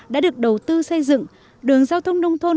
đã được đầu tư xây dựng đường giao thông nông thôn